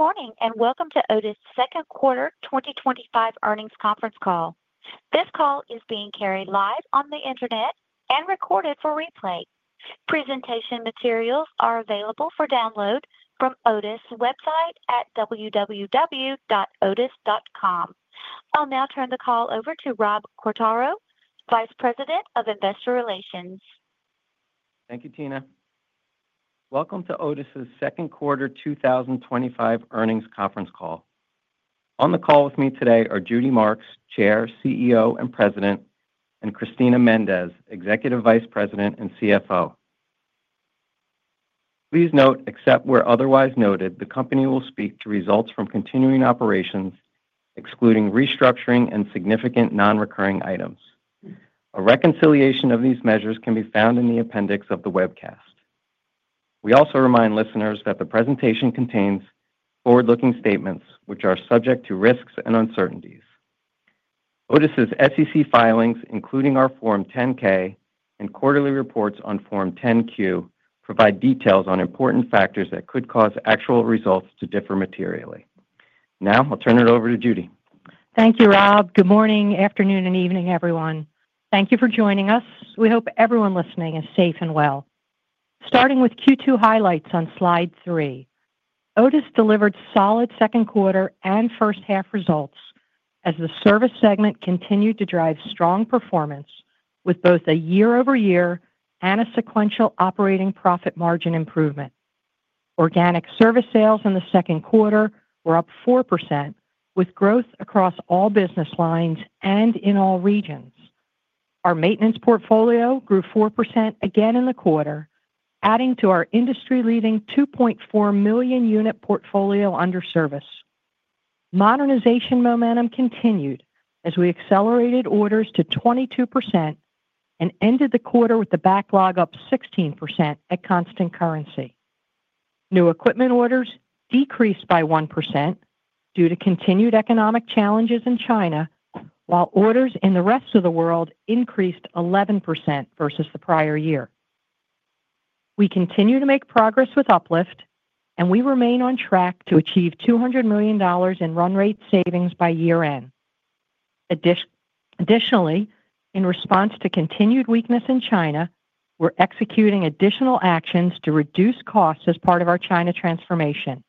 Good morning, and welcome to Otis' Second Quarter 2025 Earnings Conference Call. This call is being carried live on the internet and recorded for replay. Presentation materials are available for download from Otis' website at www.otis.com. I'll now turn the call over to Rob Quartaro, Vice President of Investor Relations. Thank you, Tina. Welcome to Otis' Second Quarter 2025 Earnings Conference Call. On the call with me today are Judy Marks, Chair, CEO, and President, and Cristina Méndez, Executive Vice President and CFO. Please note, except where otherwise noted, the company will speak to results from continuing operations, excluding restructuring and significant non-recurring items. A reconciliation of these measures can be found in the appendix of the webcast. We also remind listeners that the presentation contains forward-looking statements, which are subject to risks and uncertainties. Otis' SEC filings, including our Form 10-K and quarterly reports on Form 10-Q, provide details on important factors that could cause actual results to differ materially. Now I'll turn it over to Judy. Thank you, Rob. Good morning, afternoon, and evening, everyone. Thank you for joining us. We hope everyone listening is safe and well. Starting with Q2 highlights on slide three, Otis delivered solid second quarter and first half results as the service segment continued to drive strong performance with both a year-over-year and a sequential operating profit margin improvement. Organic service sales in the second quarter were up 4%, with growth across all business lines and in all regions. Our maintenance portfolio grew 4% again in the quarter, adding to our industry-leading 2.4 million unit portfolio under service. Modernization momentum continued as we accelerated orders to 22% and ended the quarter with the backlog up 16% at constant currency. New equipment orders decreased by 1% due to continued economic challenges in China, while orders in the rest of the world increased 11% versus the prior year. We continue to make progress with Uplift, and we remain on track to achieve $200 million in run-rate savings by year-end. Additionally, in response to continued weakness in China, we are executing additional actions to reduce costs as part of our China transformation.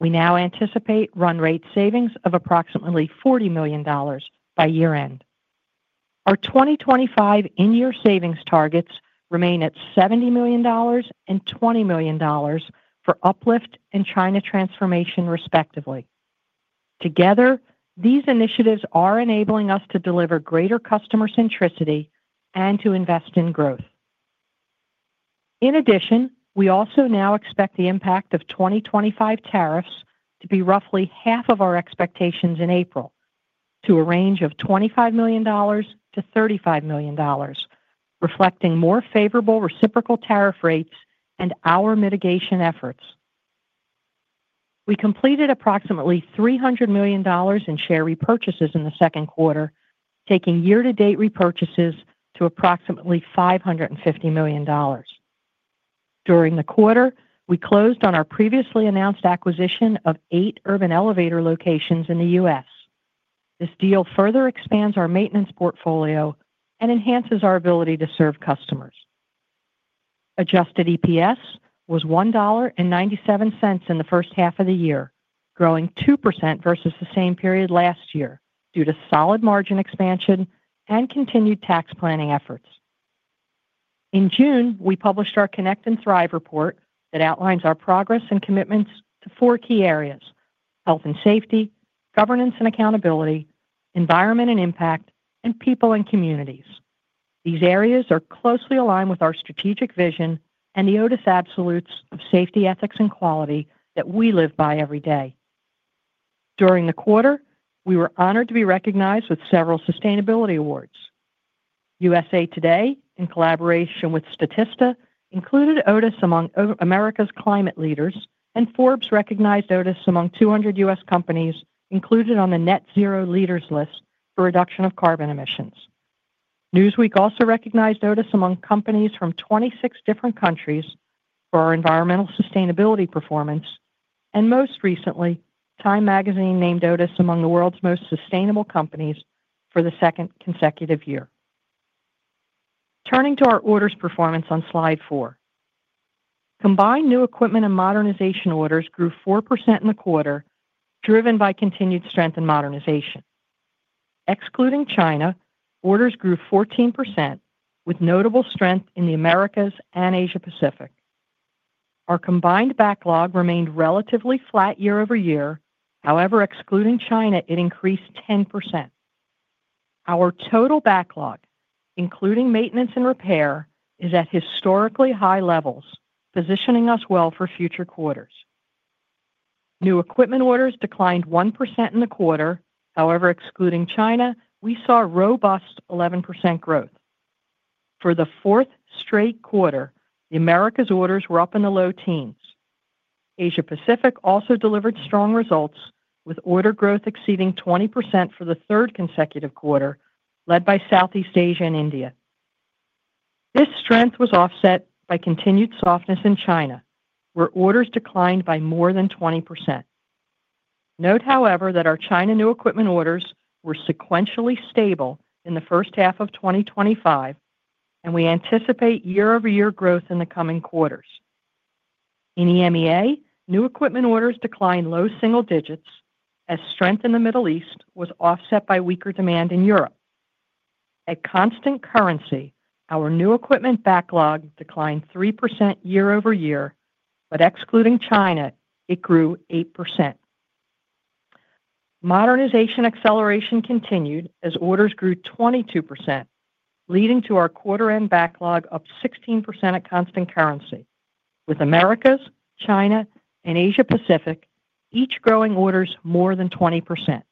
We now anticipate run-rate savings of approximately $40 million by year-end. Our 2025 in-year savings targets remain at $70 million and $20 million for Uplift and China transformation, respectively. Together, these initiatives are enabling us to deliver greater customer centricity and to invest in growth. In addition, we also now expect the impact of 2025 tariffs to be roughly half of our expectations in April, to a range of $25 million-$35 million, reflecting more favorable reciprocal tariff rates and our mitigation efforts. We completed approximately $300 million in share repurchases in the second quarter, taking year-to-date repurchases to approximately $550 million. During the quarter, we closed on our previously announced acquisition of eight urban elevator locations in the U.S. This deal further expands our maintenance portfolio and enhances our ability to serve customers. Adjusted EPS was $1.97 in the first half of the year, growing 2% versus the same period last year due to solid margin expansion and continued tax planning efforts. In June, we published our Connect and Thrive report that outlines our progress and commitments to four key areas: health and safety, governance and accountability, environment and impact, and people and communities. These areas are closely aligned with our strategic vision and the Otis absolutes of safety, ethics, and quality that we live by every day. During the quarter, we were honored to be recognized with several sustainability awards. USA Today, in collaboration with Statista, included Otis among America's climate leaders, and Forbes recognized Otis among 200 U.S. companies included on the net-zero leaders list for reduction of carbon emissions. Newsweek also recognized Otis among companies from 26 different countries for our environmental sustainability performance, and most recently, Time Magazine named Otis among the world's most sustainable companies for the second consecutive year. Turning to our orders performance on slide four. Combined new equipment and modernization orders grew 4% in the quarter, driven by continued strength in modernization. Excluding China, orders grew 14%, with notable strength in the Americas and Asia-Pacific. Our combined backlog remained relatively flat year-over-year. However, excluding China, it increased 10%. Our total backlog, including maintenance and repair, is at historically high levels, positioning us well for future quarters. New equipment orders declined 1% in the quarter. However, excluding China, we saw robust 11% growth. For the fourth straight quarter, the Americas orders were up in the low teens. Asia-Pacific also delivered strong results, with order growth exceeding 20% for the third consecutive quarter, led by Southeast Asia and India. This strength was offset by continued softness in China, where orders declined by more than 20%. Note, however, that our China new equipment orders were sequentially stable in the first half of 2025, and we anticipate year-over-year growth in the coming quarters. In EMEA, new equipment orders declined low single digits, as strength in the Middle East was offset by weaker demand in Europe. At constant currency, our new equipment backlog declined 3% year-over-year, but excluding China, it grew 8%. Modernization acceleration continued as orders grew 22%, leading to our quarter-end backlog up 16% at constant currency, with Americas, China, and Asia-Pacific each growing orders more than 20%.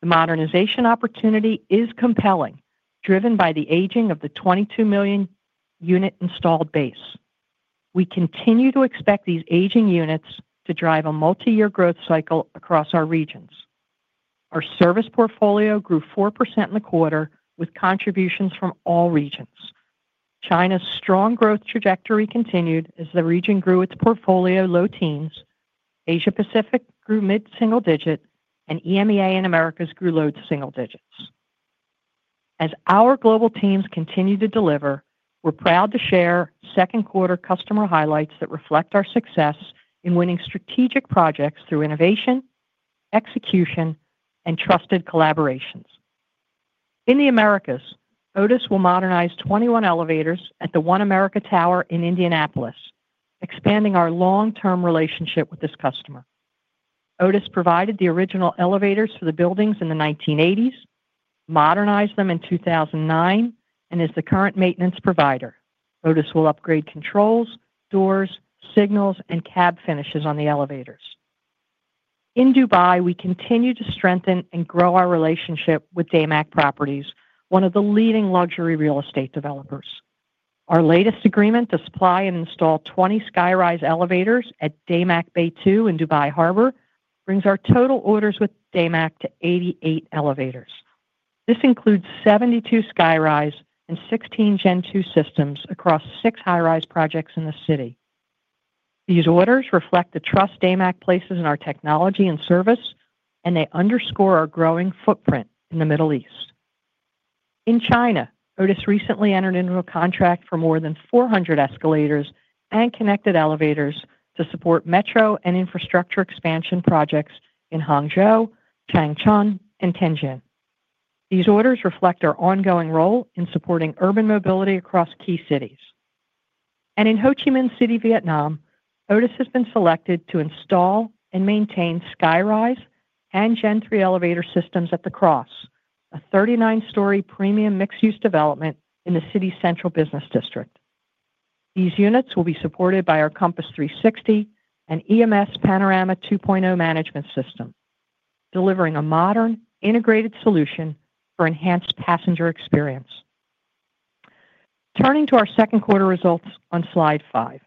The modernization opportunity is compelling, driven by the aging of the 22 million unit installed base. We continue to expect these aging units to drive a multi-year growth cycle across our regions. Our service portfolio grew 4% in the quarter, with contributions from all regions. China's strong growth trajectory continued as the region grew its portfolio low teens. Asia-Pacific grew mid-single digit, and EMEA and Americas grew low single digits. As our global teams continue to deliver, we're proud to share second quarter customer highlights that reflect our success in winning strategic projects through innovation, execution, and trusted collaborations. In the Americas, Otis will modernize 21 elevators at the One America Tower in Indianapolis, expanding our long-term relationship with this customer. Otis provided the original elevators for the buildings in the 1980s, modernized them in 2009, and is the current maintenance provider. Otis will upgrade controls, doors, signals, and cab finishes on the elevators. In Dubai, we continue to strengthen and grow our relationship with Damac Properties, one of the leading luxury real estate developers. Our latest agreement to supply and install 20 SkyRise elevators at Damac Bay Two in Dubai Harbor brings our total orders with Damac to 88 elevators. This includes 72 SkyRise and 16 Gen Two systems across six high-rise projects in the city. These orders reflect the trust Damac places in our technology and service, and they underscore our growing footprint in the Middle East. In China, Otis recently entered into a contract for more than 400 escalators and connected elevators to support metro and infrastructure expansion projects in Hangzhou, Changchun, and Tianjin. These orders reflect our ongoing role in supporting urban mobility across key cities. In Ho Chi Minh City, Vietnam, Otis has been selected to install and maintain SkyRise and Gen Three elevator systems at The Cross, a 39-story premium mixed-use development in the city's central business district. These units will be supported by our Compass 360 and EMS Panorama 2.0 management system, delivering a modern, integrated solution for enhanced passenger experience. Turning to our second quarter results on slide five,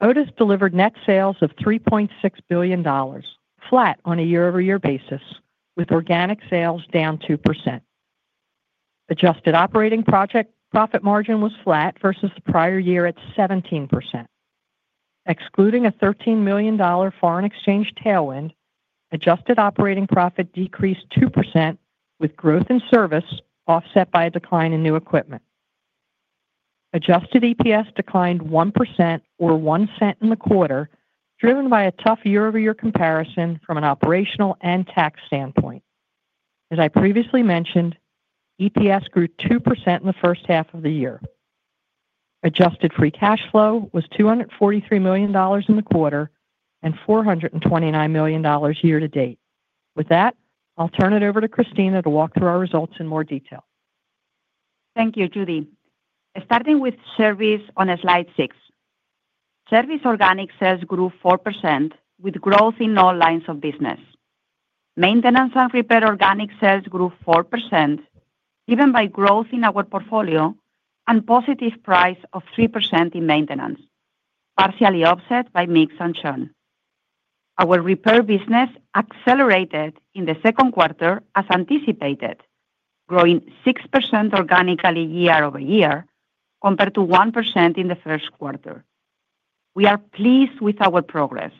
Otis delivered net sales of $3.6 billion, flat on a year-over-year basis, with organic sales down 2%. Adjusted operating profit margin was flat versus the prior year at 17%. Excluding a $13 million foreign exchange tailwind, adjusted operating profit decreased 2%, with growth in service offset by a decline in new equipment. Adjusted EPS declined 1%, or 1 cent, in the quarter, driven by a tough year-over-year comparison from an operational and tax standpoint. As I previously mentioned, EPS grew 2% in the first half of the year. Adjusted free cash flow was $243 million in the quarter and $429 million year-to-date. With that, I'll turn it over to Cristina to walk through our results in more detail. Thank you, Judy. Starting with service on slide six. Service organic sales grew 4%, with growth in all lines of business. Maintenance and repair organic sales grew 4%, given by growth in our portfolio and positive price of 3% in maintenance, partially offset by mix and churn. Our repair business accelerated in the second quarter, as anticipated, growing 6% organically year-over-year compared to 1% in the first quarter. We are pleased with our progress,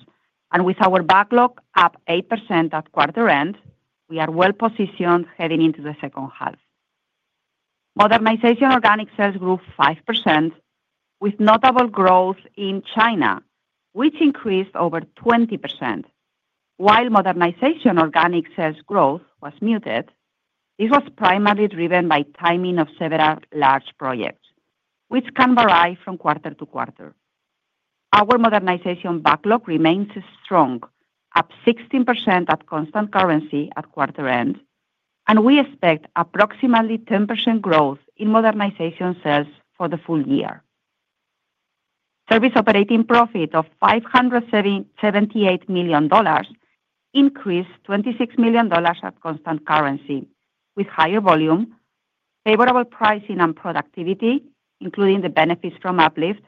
and with our backlog up 8% at quarter end, we are well-positioned heading into the second half. Modernization organic sales grew 5%, with notable growth in China, which increased over 20%. While modernization organic sales growth was muted, this was primarily driven by timing of several large projects, which can vary from quarter to quarter. Our modernization backlog remains strong, up 16% at constant currency at quarter end, and we expect approximately 10% growth in modernization sales for the full year. Service operating profit of $578 million increased $26 million at constant currency, with higher volume, favorable pricing, and productivity, including the benefits from Uplift,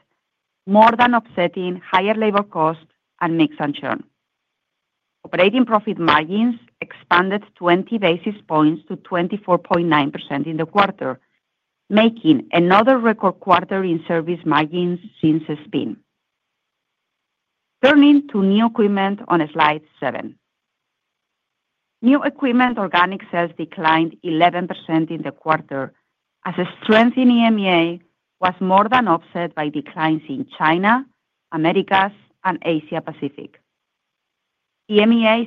more than offsetting higher labor costs and mix and churn. Operating profit margins expanded 20 basis points to 24.9% in the quarter, making another record quarter in service margins since Spain. Turning to new equipment on slide seven. New equipment organic sales declined 11% in the quarter as a strength in EMEA was more than offset by declines in China, Americas, and Asia-Pacific. EMEA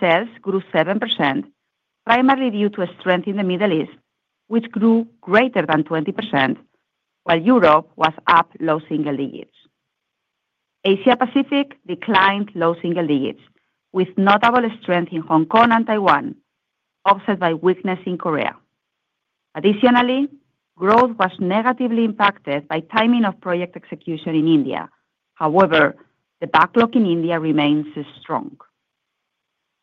sales grew 7%, primarily due to a strength in the Middle East, which grew greater than 20%, while Europe was up low single digits. Asia-Pacific declined low single digits, with notable strength in Hong Kong and Taiwan, offset by weakness in Korea. Additionally, growth was negatively impacted by timing of project execution in India. However, the backlog in India remains strong.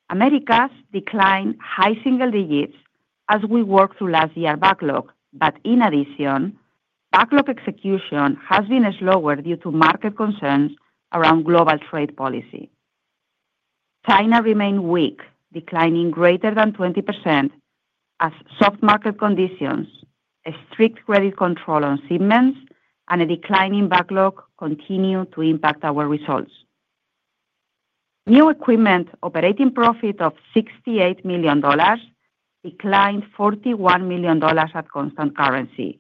Americas declined high single digits as we worked through last year's backlog, but in addition, backlog execution has been slower due to market concerns around global trade policy. China remained weak, declining greater than 20%, as soft market conditions, strict credit control on shipments, and a declining backlog continue to impact our results. New equipment operating profit of $68 million declined $41 million at constant currency,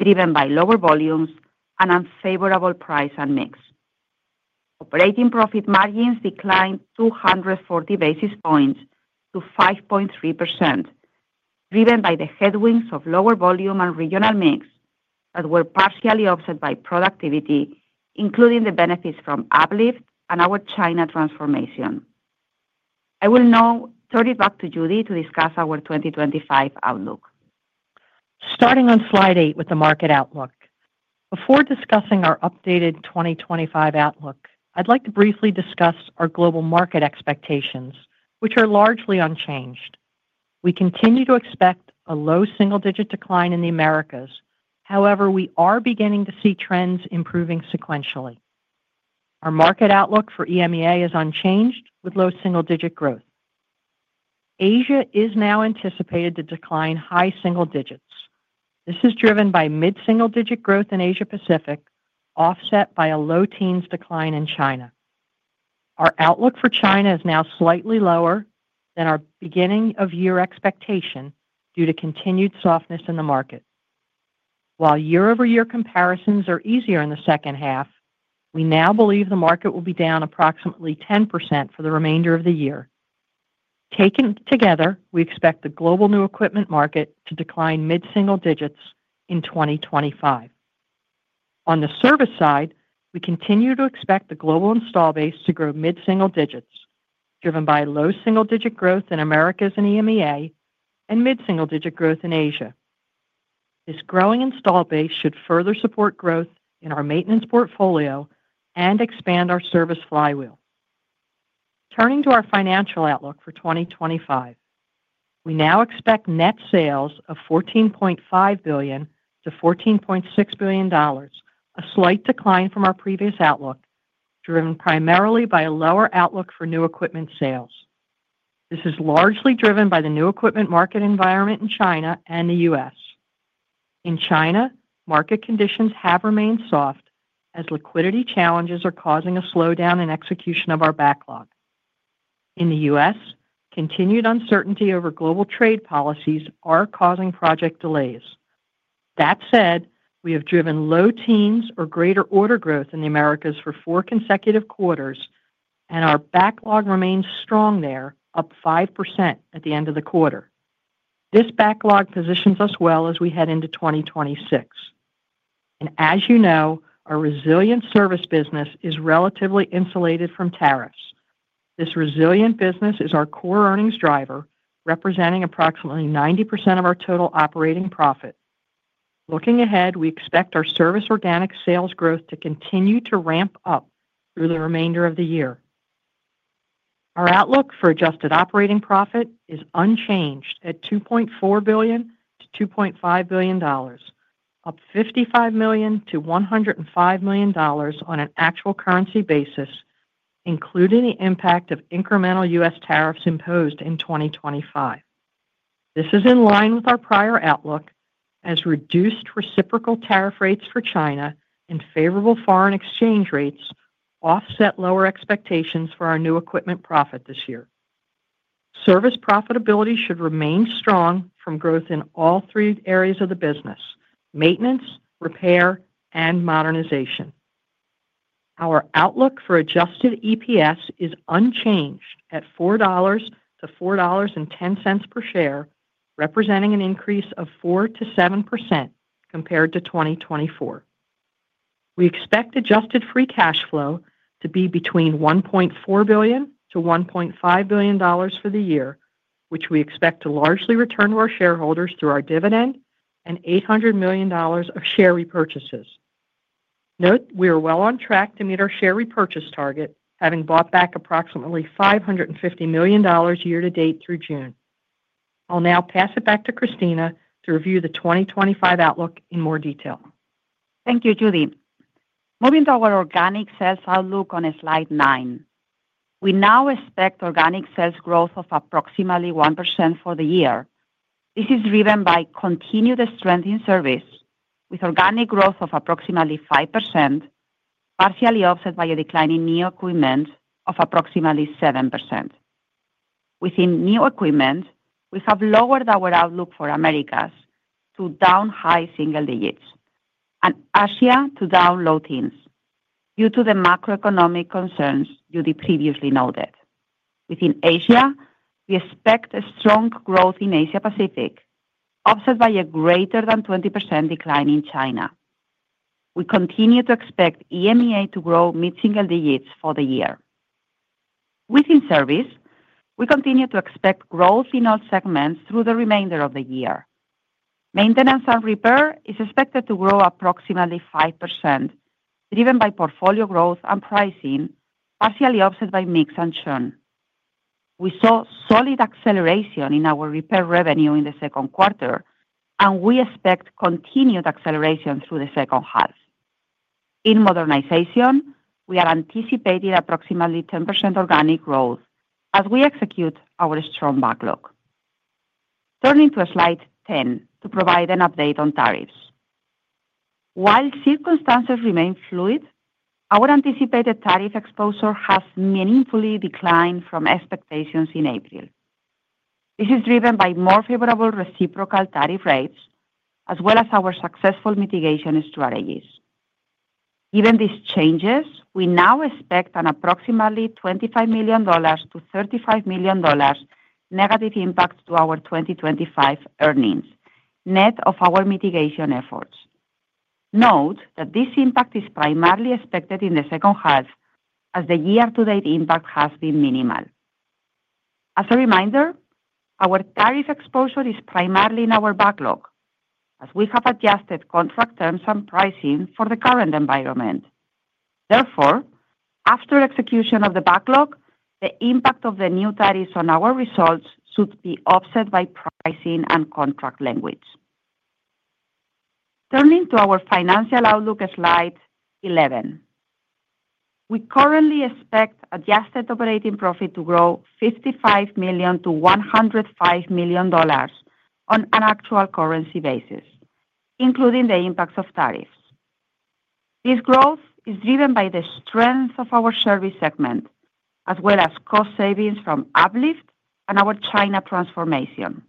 driven by lower volumes and unfavorable price and mix. Operating profit margins declined 240 basis points to 5.3%, driven by the headwinds of lower volume and regional mix that were partially offset by productivity, including the benefits from Uplift and our China transformation. I will now turn it back to Judy to discuss our 2025 outlook. Starting on slide eight with the market outlook. Before discussing our updated 2025 outlook, I'd like to briefly discuss our global market expectations, which are largely unchanged. We continue to expect a low single-digit decline in the Americas. However, we are beginning to see trends improving sequentially. Our market outlook for EMEA is unchanged, with low single-digit growth. Asia is now anticipated to decline high single digits. This is driven by mid-single-digit growth in Asia-Pacific, offset by a low teens decline in China. Our outlook for China is now slightly lower than our beginning-of-year expectation due to continued softness in the market. While year-over-year comparisons are easier in the second half, we now believe the market will be down approximately 10% for the remainder of the year. Taken together, we expect the global new equipment market to decline mid-single digits in 2025. On the service side, we continue to expect the global install base to grow mid-single digits, driven by low single-digit growth in Americas and EMEA, and mid-single-digit growth in Asia. This growing install base should further support growth in our maintenance portfolio and expand our service flywheel. Turning to our financial outlook for 2025. We now expect net sales of $14.5 billion-$14.6 billion, a slight decline from our previous outlook, driven primarily by a lower outlook for new equipment sales. This is largely driven by the new equipment market environment in China and the US. In China, market conditions have remained soft as liquidity challenges are causing a slowdown in execution of our backlog. In the US, continued uncertainty over global trade policies is causing project delays. That said, we have driven low teens or greater order growth in the Americas for four consecutive quarters, and our backlog remains strong there, up 5% at the end of the quarter. This backlog positions us well as we head into 2026. As you know, our resilient service business is relatively insulated from tariffs. This resilient business is our core earnings driver, representing approximately 90% of our total operating profit. Looking ahead, we expect our service organic sales growth to continue to ramp up through the remainder of the year. Our outlook for adjusted operating profit is unchanged at $2.4 billion-$2.5 billion. Up $55 million-$105 million on an actual currency basis, including the impact of incremental US tariffs imposed in 2025. This is in line with our prior outlook, as reduced reciprocal tariff rates for China and favorable foreign exchange rates offset lower expectations for our new equipment profit this year. Service profitability should remain strong from growth in all three areas of the business: maintenance, repair, and modernization. Our outlook for adjusted EPS is unchanged at $4.00-$4.10 per share, representing an increase of 4%-7% compared to 2024. We expect adjusted free cash flow to be between $1.4 billion-$1.5 billion for the year, which we expect to largely return to our shareholders through our dividend and $800 million of share repurchases. Note, we are well on track to meet our share repurchase target, having bought back approximately $550 million year-to-date through June. I'll now pass it back to Cristina to review the 2025 outlook in more detail. Thank you, Judy. Moving to our organic sales outlook on slide nine. We now expect organic sales growth of approximately 1% for the year. This is driven by continued strength in service, with organic growth of approximately 5%, partially offset by a declining new equipment of approximately 7%. Within new equipment, we have lowered our outlook for Americas to down high single digits and Asia to down low teens due to the macroeconomic concerns Judy previously noted. Within Asia, we expect strong growth in Asia-Pacific, offset by a greater than 20% decline in China. We continue to expect EMEA to grow mid-single digits for the year. Within service, we continue to expect growth in all segments through the remainder of the year. Maintenance and repair is expected to grow approximately 5%, driven by portfolio growth and pricing, partially offset by mix and churn. We saw solid acceleration in our repair revenue in the second quarter, and we expect continued acceleration through the second half. In modernization, we are anticipating approximately 10% organic growth as we execute our strong backlog. Turning to slide 10 to provide an update on tariffs. While circumstances remain fluid, our anticipated tariff exposure has meaningfully declined from expectations in April. This is driven by more favorable reciprocal tariff rates, as well as our successful mitigation strategies. Given these changes, we now expect an approximately $25 million-$35 million negative impact to our 2025 earnings net of our mitigation efforts. Note that this impact is primarily expected in the second half, as the year-to-date impact has been minimal. As a reminder, our tariff exposure is primarily in our backlog, as we have adjusted contract terms and pricing for the current environment. Therefore, after execution of the backlog, the impact of the new tariffs on our results should be offset by pricing and contract language. Turning to our financial outlook at slide 11. We currently expect adjusted operating profit to grow $55 million-$105 million on an actual currency basis, including the impacts of tariffs. This growth is driven by the strength of our service segment, as well as cost savings from Uplift and our China transformation.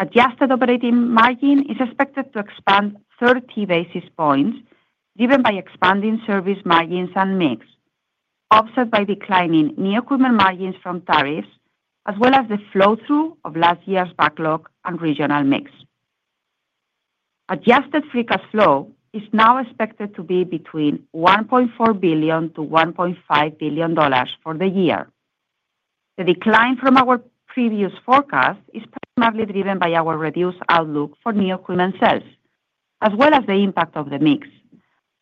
Adjusted operating margin is expected to expand 30 basis points, driven by expanding service margins and mix, offset by declining new equipment margins from tariffs, as well as the flow-through of last year's backlog and regional mix. Adjusted free cash flow is now expected to be between $1.4 billion-$1.5 billion for the year. The decline from our previous forecast is primarily driven by our reduced outlook for new equipment sales, as well as the impact of the mix.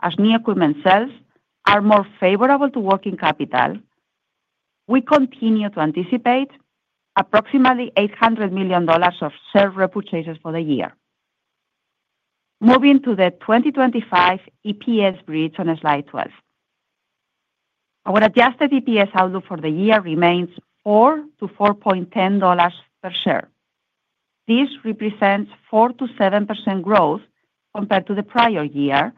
As new equipment sales are more favorable to working capital, we continue to anticipate approximately $800 million of share repurchases for the year. Moving to the 2025 EPS breach on slide 12. Our adjusted EPS outlook for the year remains $4-$4.10 per share. This represents 4%-7% growth compared to the prior year,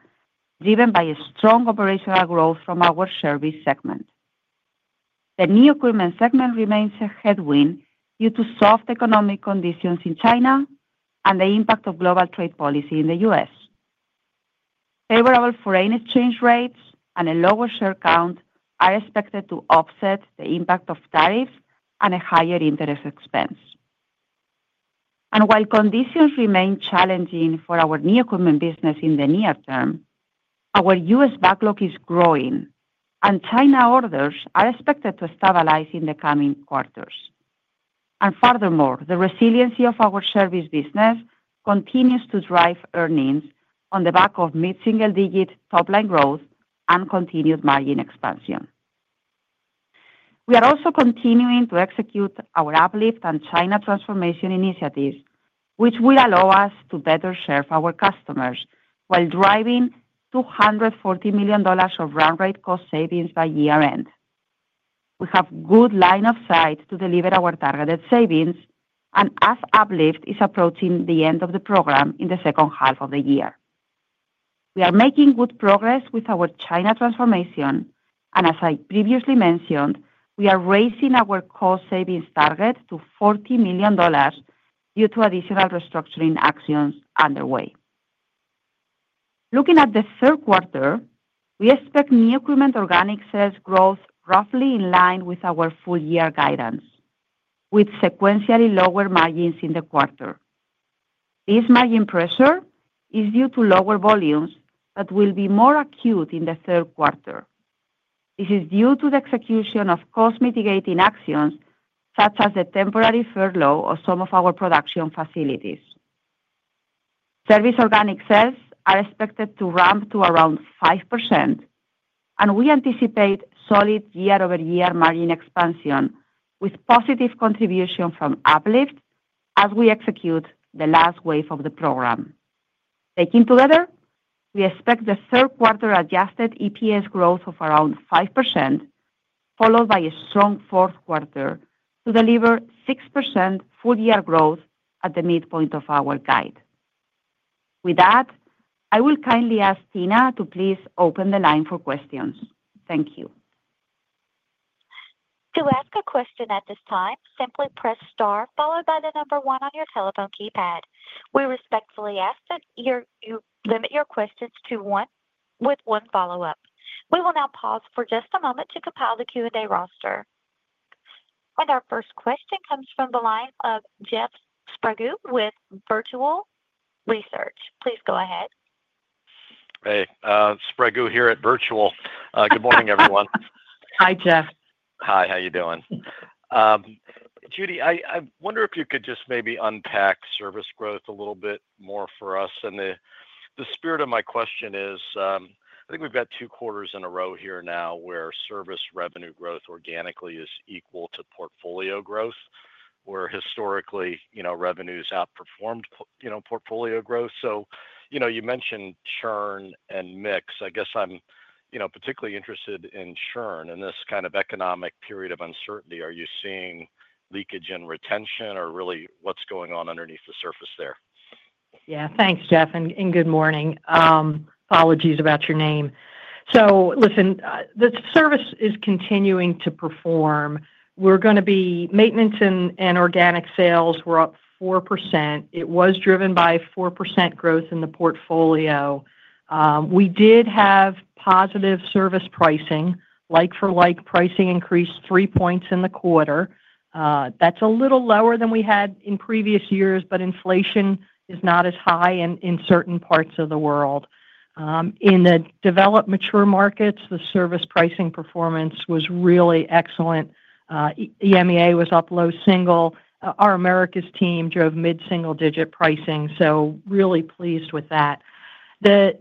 driven by strong operational growth from our service segment. The new equipment segment remains a headwind due to soft economic conditions in China and the impact of global trade policy in the U.S. Favorable foreign exchange rates and a lower share count are expected to offset the impact of tariffs and a higher interest expense. While conditions remain challenging for our new equipment business in the near term, our U.S. backlog is growing, and China orders are expected to stabilize in the coming quarters. Furthermore, the resiliency of our service business continues to drive earnings on the back of mid-single digit top-line growth and continued margin expansion. We are also continuing to execute our Uplift and China transformation initiatives, which will allow us to better serve our customers while driving $240 million of run-rate cost savings by year-end. We have a good line of sight to deliver our targeted savings, and as Uplift is approaching the end of the program in the second half of the year, we are making good progress with our China transformation, and as I previously mentioned, we are raising our cost savings target to $40 million due to additional restructuring actions underway. Looking at the third quarter, we expect new equipment organic sales growth roughly in line with our full-year guidance, with sequentially lower margins in the quarter. This margin pressure is due to lower volumes that will be more acute in the third quarter. This is due to the execution of cost mitigating actions, such as the temporary furlough of some of our production facilities. Service organic sales are expected to ramp to around 5%, and we anticipate solid year-over-year margin expansion with positive contribution from Uplift as we execute the last wave of the program. Taken together, we expect the third quarter adjusted EPS growth of around 5%, followed by a strong fourth quarter to deliver 6% full-year growth at the midpoint of our guide. With that, I will kindly ask Tina to please open the line for questions. Thank you. To ask a question at this time, simply press * followed by the number one on your telephone keypad. We respectfully ask that you limit your questions to one with one follow-up. We will now pause for just a moment to compile the Q&A roster. Our first question comes from the line of Jeffrey Sprague with Vertical Research. Please go ahead. Hey, Spragu here at Virtual. Good morning, everyone. Hi, Jeff. Hi, how you doing? Judy, I wonder if you could just maybe unpack service growth a little bit more for us. The spirit of my question is, I think we've got two quarters in a row here now where service revenue growth organically is equal to portfolio growth, where historically revenue has outperformed portfolio growth. You mentioned churn and mix. I guess I'm particularly interested in churn and this kind of economic period of uncertainty. Are you seeing leakage and retention, or really what's going on underneath the surface there? Yeah, thanks, Jeff, and good morning. Apologies about your name. So listen, the service is continuing to perform. We're going to be maintenance and organic sales. We're up 4%. It was driven by 4% growth in the portfolio. We did have positive service pricing. Like-for-like pricing increased three points in the quarter. That's a little lower than we had in previous years, but inflation is not as high in certain parts of the world. In the developed mature markets, the service pricing performance was really excellent. EMEA was up low single. Our Americas team drove mid-single digit pricing, so really pleased with that. The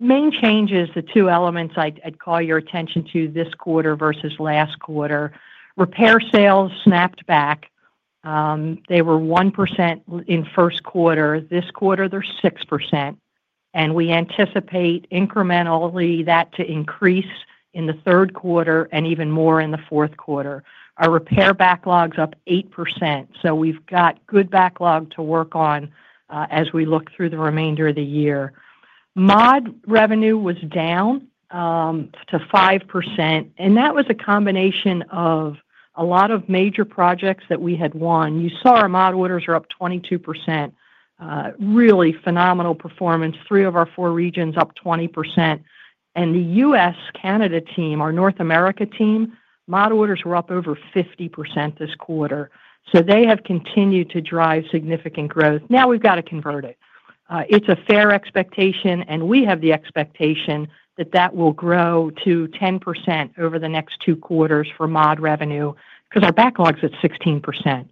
main changes, the two elements I'd call your attention to this quarter versus last quarter, repair sales snapped back. They were 1% in first quarter. This quarter, they're 6%. We anticipate incrementally that to increase in the third quarter and even more in the fourth quarter. Our repair backlog's up 8%, so we've got good backlog to work on as we look through the remainder of the year. Mod revenue was down to 5%, and that was a combination of a lot of major projects that we had won. You saw our mod orders are up 22%. Really phenomenal performance. Three of our four regions up 20%. The US-Canada team, our North America team, mod orders were up over 50% this quarter. They have continued to drive significant growth. Now we've got to convert it. It's a fair expectation, and we have the expectation that that will grow to 10% over the next two quarters for mod revenue because our backlog's at 16%.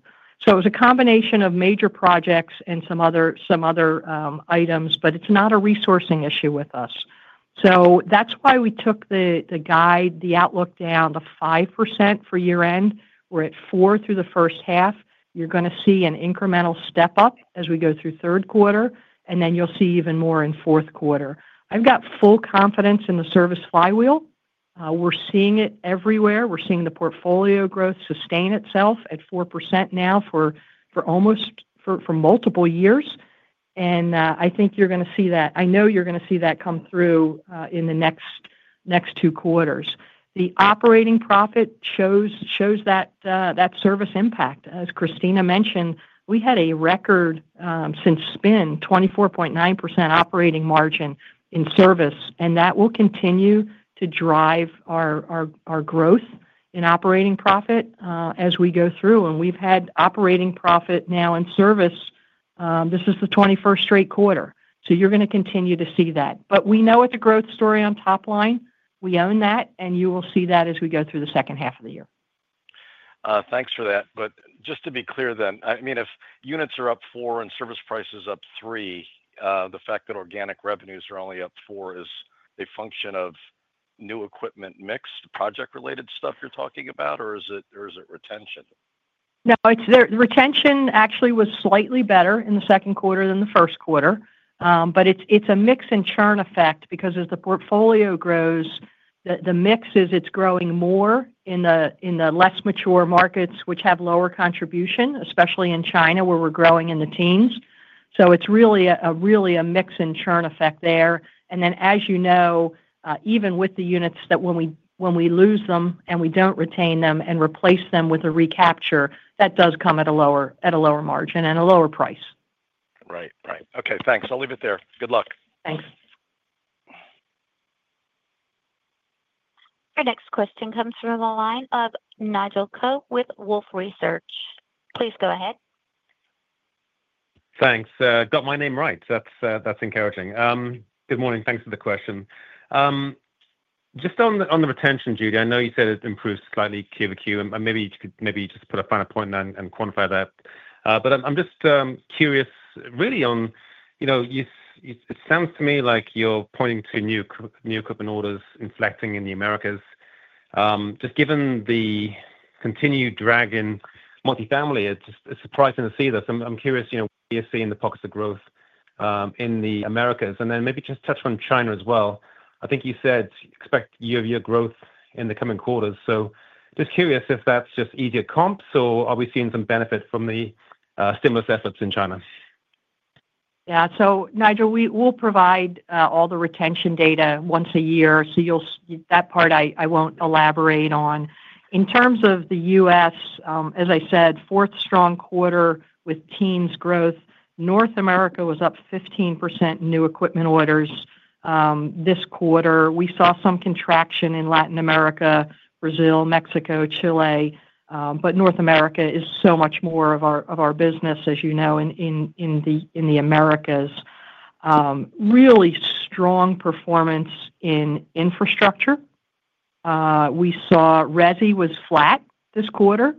It was a combination of major projects and some other items, but it's not a resourcing issue with us. That's why we took the guide, the outlook down to 5% for year-end. We're at 4% through the first half. You're going to see an incremental step up as we go through third quarter, and you'll see even more in fourth quarter. I've got full confidence in the service flywheel. We're seeing it everywhere. We're seeing the portfolio growth sustain itself at 4% now for multiple years. I think you're going to see that. I know you're going to see that come through in the next two quarters. The operating profit shows that service impact. As Cristina mentioned, we had a record since spin, 24.9% operating margin in service, and that will continue to drive our growth in operating profit as we go through. We've had operating profit now in service. This is the 21st straight quarter. You're going to continue to see that. We know what the growth story on top line. We own that, and you will see that as we go through the second half of the year. Thanks for that. Just to be clear then, I mean, if units are up four and service prices up three, the fact that organic revenues are only up four is a function of new equipment mix, the project-related stuff you're talking about, or is it retention? No, the retention actually was slightly better in the second quarter than the first quarter. It is a mix and churn effect because as the portfolio grows, the mix is it is growing more in the less mature markets, which have lower contribution, especially in China where we are growing in the teens. It is really a mix and churn effect there. As you know, even with the units that when we lose them and we do not retain them and replace them with a recapture, that does come at a lower margin and a lower price. Right. Right. Okay, thanks. I'll leave it there. Good luck. Thanks. Our next question comes from the line of Nigel Coe with Wolfe Research. Please go ahead. Thanks. Got my name right. That's encouraging. Good morning. Thanks for the question. Just on the retention, Judy, I know you said it improves slightly Q to Q, and maybe you could just put a finer point and quantify that. I'm just curious really on. It sounds to me like you're pointing to new equipment orders inflecting in the Americas. Just given the continued drag in multifamily, it's surprising to see this. I'm curious what you're seeing in the pockets of growth in the Americas. And then maybe just touch on China as well. I think you said you expect year-over-year growth in the coming quarters. Just curious if that's just easier comps or are we seeing some benefit from the stimulus efforts in China? Yeah. So, Nigel, we'll provide all the retention data once a year. That part I won't elaborate on. In terms of the U.S., as I said, fourth strong quarter with teens growth. North America was up 15% new equipment orders. This quarter, we saw some contraction in Latin America, Brazil, Mexico, Chile, but North America is so much more of our business, as you know, in the Americas. Really strong performance in infrastructure. We saw Resi was flat this quarter.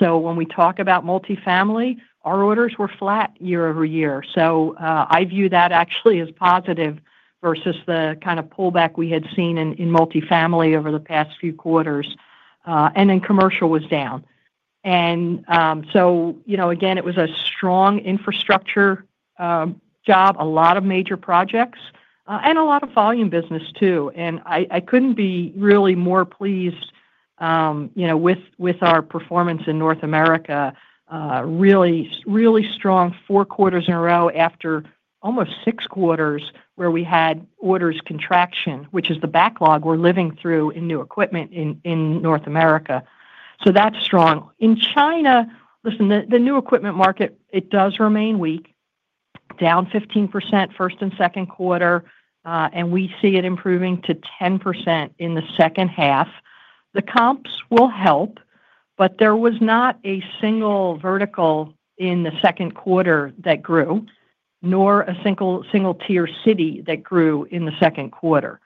When we talk about multifamily, our orders were flat year-over-year. I view that actually as positive versus the kind of pullback we had seen in multifamily over the past few quarters. Commercial was down. Again, it was a strong infrastructure job, a lot of major projects, and a lot of volume business too. I couldn't be really more pleased with our performance in North America. Really strong four quarters in a row after almost six quarters where we had orders contraction, which is the backlog we're living through in new equipment in North America. That's strong. In China, listen, the new equipment market, it does remain weak. Down 15% first and second quarter, and we see it improving to 10% in the second half. The comps will help, but there was not a single vertical in the second quarter that grew, nor a single tier city that grew in the second quarter.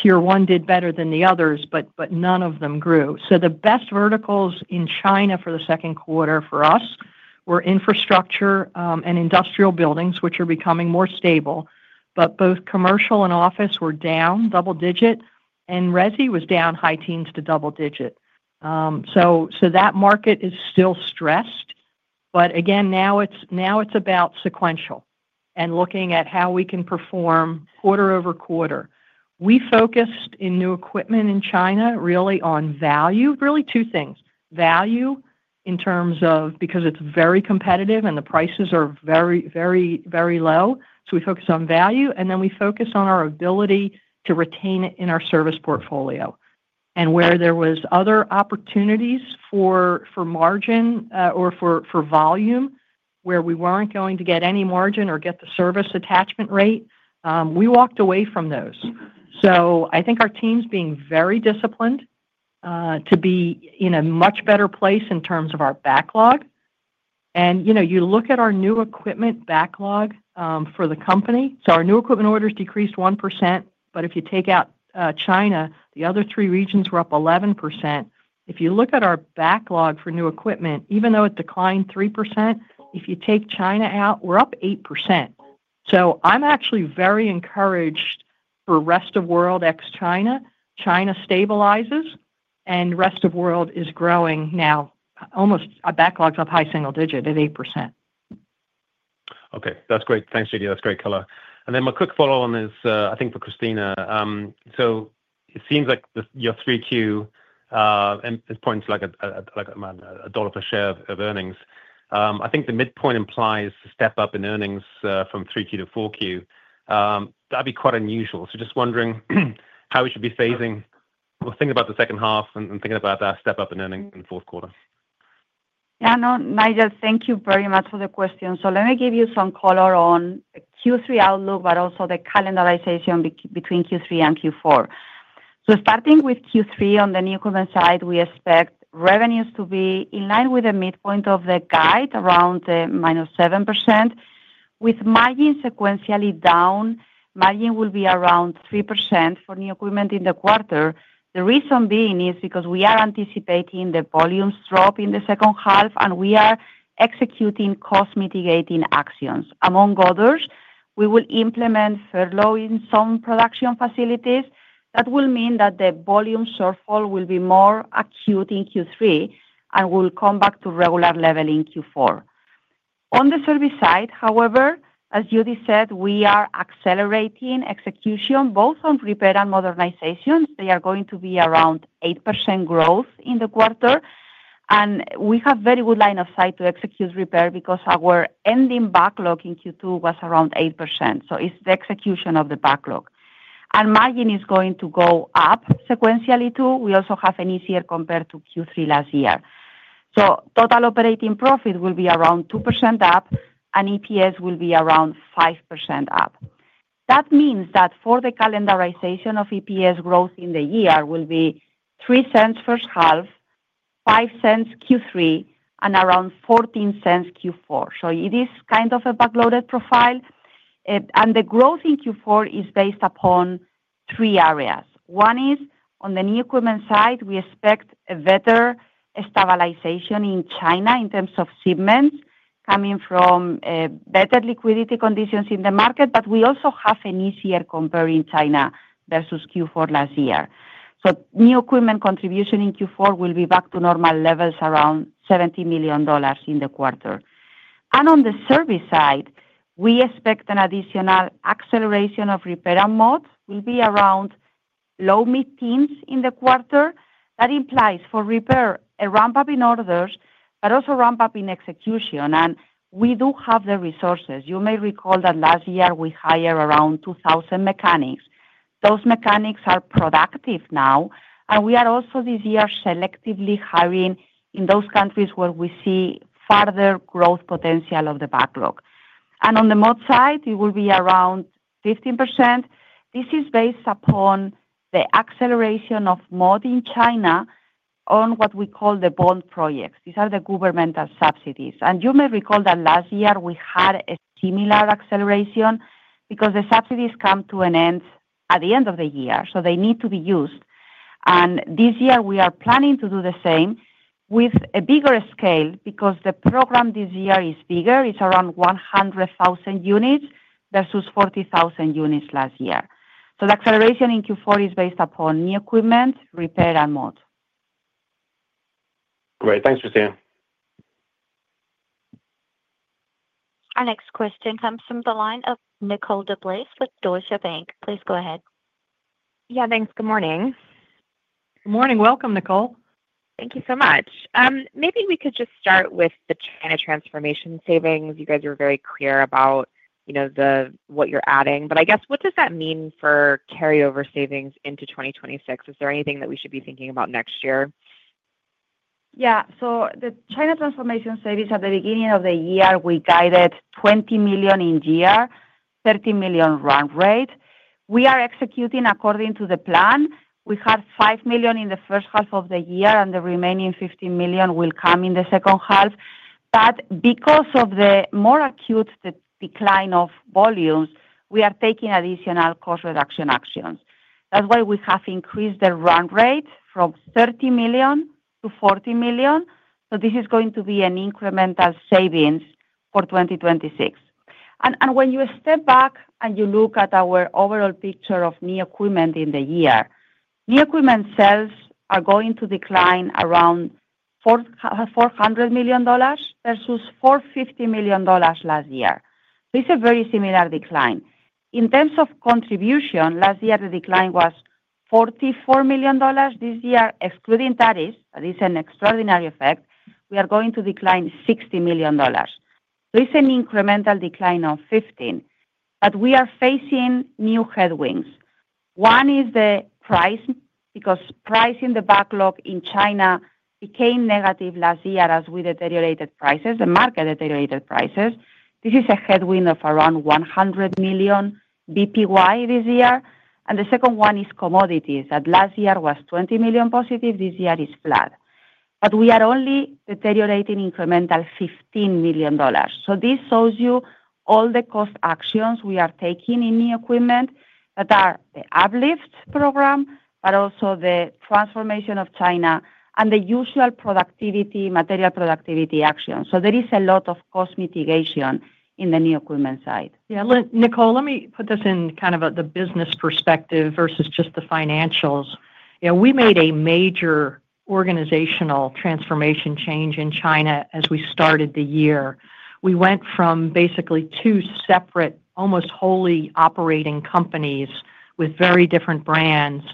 Tier one did better than the others, but none of them grew. The best verticals in China for the second quarter for us were infrastructure and industrial buildings, which are becoming more stable. Both commercial and office were down double-digit, and Resi was down high teens to double-digit. That market is still stressed. Again, now it's about sequential and looking at how we can perform quarter over quarter. We focused in new equipment in China really on value, really two things. Value in terms of because it's very competitive and the prices are very, very, very low. We focus on value, and then we focus on our ability to retain it in our service portfolio. Where there were other opportunities for margin or for volume, where we weren't going to get any margin or get the service attachment rate, we walked away from those. I think our team's being very disciplined to be in a much better place in terms of our backlog. You look at our new equipment backlog for the company. Our new equipment orders decreased 1%, but if you take out China, the other three regions were up 11%. If you look at our backlog for new equipment, even though it declined 3%, if you take China out, we're up 8%. I'm actually very encouraged for rest of world ex-China. China stabilizes, and rest of world is growing now. Almost our backlog's up high single digit at 8%. Okay. That's great. Thanks, Judy. That's great color. My quick follow-on is, I think, for Cristina. It seems like your 3Q points like a dollar per share of earnings. I think the midpoint implies a step up in earnings from 3Q to 4Q. That would be quite unusual. Just wondering how we should be phasing or thinking about the second half and thinking about that step up in earnings in the fourth quarter. Yeah. No, Nigel, thank you very much for the question. Let me give you some color on Q3 outlook, but also the calendarization between Q3 and Q4. Starting with Q3 on the new equipment side, we expect revenues to be in line with the midpoint of the guide around the minus 7%. With margin sequentially down, margin will be around 3% for new equipment in the quarter. The reason being is because we are anticipating the volumes drop in the second half, and we are executing cost mitigating actions. Among others, we will implement furloughing some production facilities. That will mean that the volume shortfall will be more acute in Q3 and will come back to regular level in Q4. On the service side, however, as Judy said, we are accelerating execution both on repair and modernization. They are going to be around 8% growth in the quarter. We have a very good line of sight to execute repair because our ending backlog in Q2 was around 8%. It is the execution of the backlog. Margin is going to go up sequentially too. We also have an easier compare compared to Q3 last year. Total operating profit will be around 2% up, and EPS will be around 5% up. That means that for the calendarization of EPS growth in the year, it will be 3 cents first half, 5 cents Q3, and around 14 cents Q4. It is kind of a backloaded profile. The growth in Q4 is based upon three areas. One is on the new equipment side, we expect a better stabilization in China in terms of shipments coming from better liquidity conditions in the market, but we also have an easier compare in China versus Q4 last year. New equipment contribution in Q4 will be back to normal levels around $70 million in the quarter. On the service side, we expect an additional acceleration of repair and mod will be around low mid-teens in the quarter. That implies for repair, a ramp-up in orders, but also ramp-up in execution. We do have the resources. You may recall that last year we hired around 2,000 mechanics. Those mechanics are productive now. We are also this year selectively hiring in those countries where we see further growth potential of the backlog. On the mod side, it will be around 15%. This is based upon the acceleration of mod in China on what we call the bond projects. These are the governmental subsidies. You may recall that last year we had a similar acceleration because the subsidies come to an end at the end of the year. They need to be used. This year, we are planning to do the same with a bigger scale because the program this year is bigger. It is around 100,000 units versus 40,000 units last year. The acceleration in Q4 is based upon new equipment, repair, and mod. Great. Thanks, Cristina. Our next question comes from the line of Nicole DeBlase with Deutsche Bank. Please go ahead. Yeah, thanks. Good morning. Good morning. Welcome, Nicole. Thank you so much. Maybe we could just start with the China transformation savings. You guys were very clear about what you're adding. What does that mean for carryover savings into 2026? Is there anything that we should be thinking about next year? Yeah. So the China transformation savings at the beginning of the year, we guided $20 million in year, $30 million run rate. We are executing according to the plan. We have $5 million in the first half of the year, and the remaining $15 million will come in the second half. Because of the more acute decline of volumes, we are taking additional cost reduction actions. That is why we have increased the run rate from $30 million to $40 million. This is going to be an incremental savings for 2026. When you step back and you look at our overall picture of new equipment in the year, new equipment sales are going to decline around $400 million versus $450 million last year. It is a very similar decline. In terms of contribution, last year the decline was $44 million. This year, excluding tariffs, that is an extraordinary effect, we are going to decline $60 million. It is an incremental decline of $15 million. We are facing new headwinds. One is the price because price in the backlog in China became negative last year as we deteriorated prices, the market deteriorated prices. This is a headwind of around $100 million basis points this year. The second one is commodities. Last year was $20 million positive. This year is flat. We are only deteriorating incremental $15 million. This shows you all the cost actions we are taking in new equipment that are the Uplift program, but also the transformation of China and the usual productivity, material productivity actions. There is a lot of cost mitigation in the new equipment side. Yeah. Nicole, let me put this in kind of the business perspective versus just the financials. We made a major organizational transformation change in China as we started the year. We went from basically two separate, almost wholly operating companies with very different brands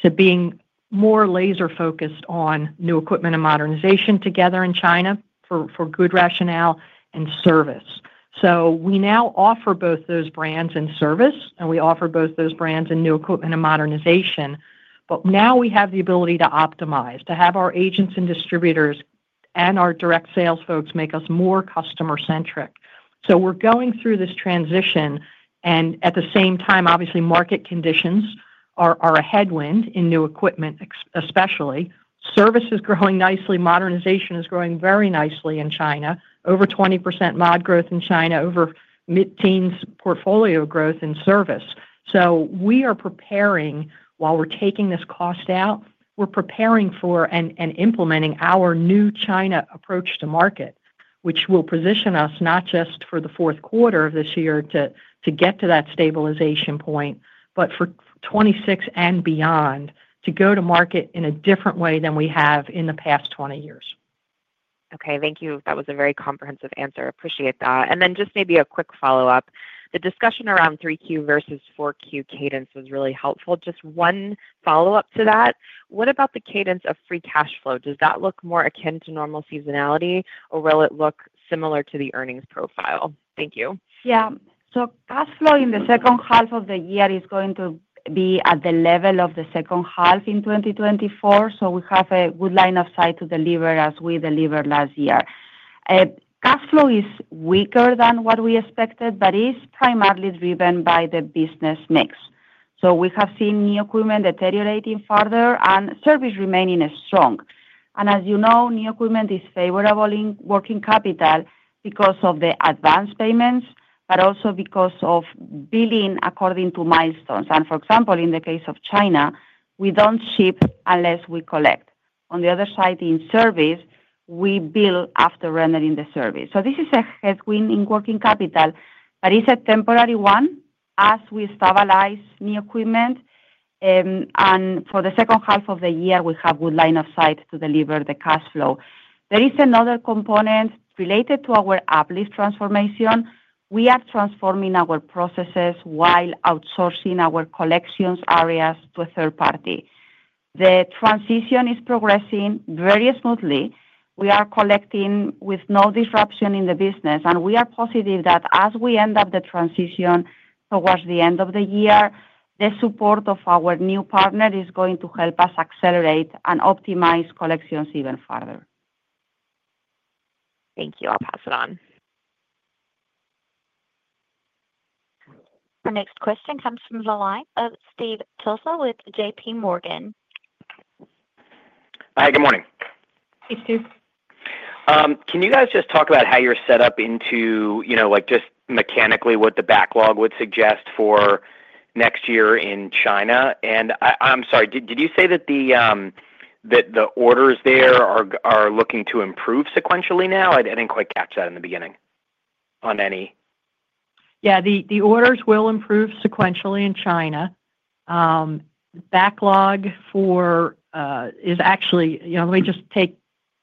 to being more laser-focused on new equipment and modernization together in China for good rationale and service. We now offer both those brands and service, and we offer both those brands and new equipment and modernization. We have the ability to optimize, to have our agents and distributors and our direct sales folks make us more customer-centric. We are going through this transition. At the same time, obviously, market conditions are a headwind in new equipment, especially. Service is growing nicely. Modernization is growing very nicely in China. Over 20% mod growth in China, over mid-teens portfolio growth in service. We are preparing while we are taking this cost out, we are preparing for and implementing our new China approach to market, which will position us not just for the fourth quarter of this year to get to that stabilization point, but for 2026 and beyond to go to market in a different way than we have in the past 20 years. Okay. Thank you. That was a very comprehensive answer. Appreciate that. Just maybe a quick follow-up. The discussion around 3Q versus 4Q cadence was really helpful. Just one follow-up to that. What about the cadence of free cash flow? Does that look more akin to normal seasonality, or will it look similar to the earnings profile? Thank you. Yeah. Cash flow in the second half of the year is going to be at the level of the second half in 2024. We have a good line of sight to deliver as we delivered last year. Cash flow is weaker than what we expected, but it is primarily driven by the business mix. We have seen new equipment deteriorating further and service remaining strong. As you know, new equipment is favorable in working capital because of the advance payments, but also because of billing according to milestones. For example, in the case of China, we do not ship unless we collect. On the other side, in service, we bill after rendering the service. This is a headwind in working capital, but it is a temporary one as we stabilize new equipment. For the second half of the year, we have a good line of sight to deliver the cash flow. There is another component related to our uplift transformation. We are transforming our processes while outsourcing our collections areas to a third party. The transition is progressing very smoothly. We are collecting with no disruption in the business. We are positive that as we end up the transition towards the end of the year, the support of our new partner is going to help us accelerate and optimize collections even further. Thank you. I'll pass it on. Our next question comes from the line of Steve Tusa with J.P. Morgan. Hi. Good morning. Hey, Steve. Can you guys just talk about how you're set up into, just mechanically what the backlog would suggest for next year in China? I'm sorry, did you say that the orders there are looking to improve sequentially now? I didn't quite catch that in the beginning on any. Yeah. The orders will improve sequentially in China. Backlog for, is actually let me just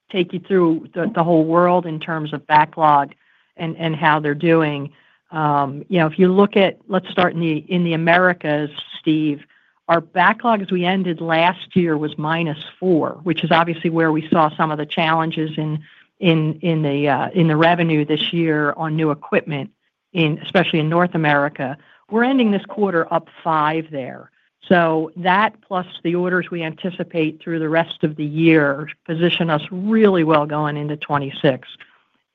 take you through the whole world in terms of backlog and how they're doing. If you look at, let's start in the Americas, Steve, our backlog as we ended last year was minus 4, which is obviously where we saw some of the challenges in the revenue this year on new equipment, especially in North America. We're ending this quarter up 5 there. That plus the orders we anticipate through the rest of the year position us really well going into 2026.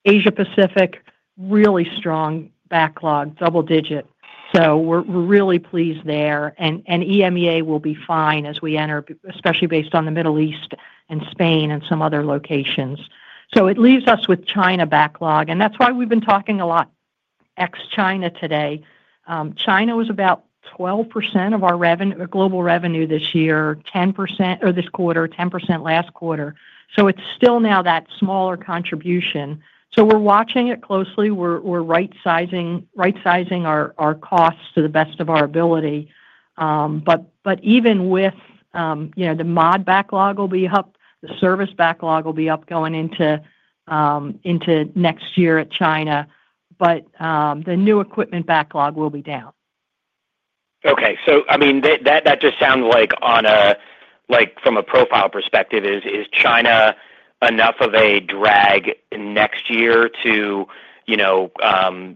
Asia-Pacific, really strong backlog, double-digit. We're really pleased there. EMEA will be fine as we enter, especially based on the Middle East and Spain and some other locations. It leaves us with China backlog. That's why we've been talking a lot ex-China today. China was about 12% of our global revenue this year, 10% this quarter, 10% last quarter. It's still now that smaller contribution. We're watching it closely. We're right-sizing our costs to the best of our ability. Even with that, the mod backlog will be up, the service backlog will be up going into next year at China, but the new equipment backlog will be down. Okay. So I mean, that just sounds like from a profile perspective, is China enough of a drag next year to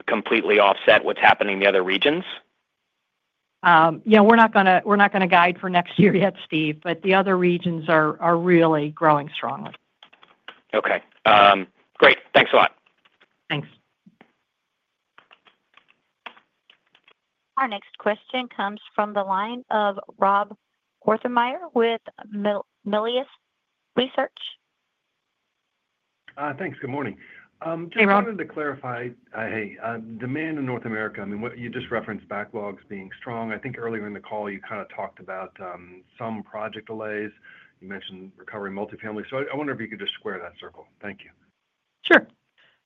completely offset what's happening in the other regions? Yeah. We're not going to guide for next year yet, Steve, but the other regions are really growing strongly. Okay. Great. Thanks a lot. Thanks. Our next question comes from the line of Rob Wertheimer with Melius Research. Thanks. Good morning. Just wanted to clarify, hey, demand in North America, I mean, you just referenced backlogs being strong. I think earlier in the call, you kind of talked about some project delays. You mentioned recovering multifamily. I wonder if you could just square that circle. Thank you. Sure.